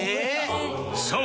そう！